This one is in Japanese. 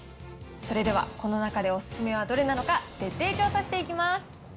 それでは、この中でお勧めはどれなのか、徹底調査していきます。